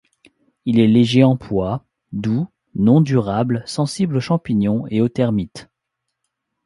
Il est léger en poids, doux, non durable, sensible aux champignons et aux termites.